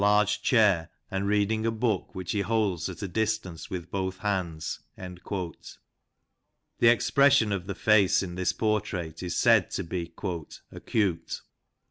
large chair and reading a book, which he holds at a distance with both hands." The expression of the face in this portrait is said to be " acute."